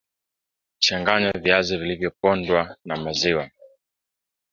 changanya viazi vilivyopondwa na maziwa